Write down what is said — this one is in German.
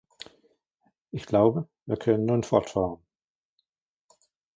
Ich glaube, wir können nun fortfahren.